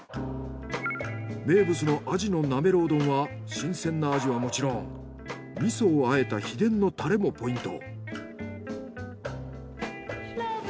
名物のアジのなめろう丼は新鮮なアジはもちろん味噌を和えた秘伝のタレもポイント。